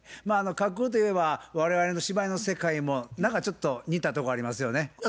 まあ架空といえば我々の芝居の世界も何かちょっと似たとこありますよね。